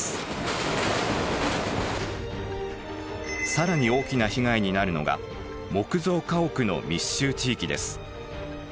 更に大きな被害になるのが木造家屋の密集地域です。